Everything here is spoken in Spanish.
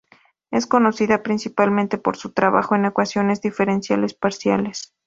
Es conocida principalmente por su trabajo en ecuaciones diferenciales parciales.